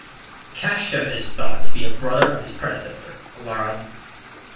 Kashta is thought to be a brother of his predecessor Alara.